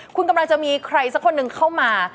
คุณกำลังจะมีใครสักคนหนึ่งเข้ามา